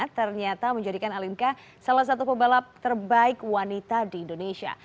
ternyata menjadikan alinka salah satu pebalap terbaik wanita di indonesia